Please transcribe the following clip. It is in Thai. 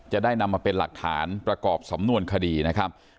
จะได้นำมาเป็นหลักฐานประกอบสำนวนคดีนะครับ